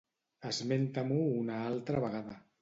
Esmenta-m'ho una altra vegada.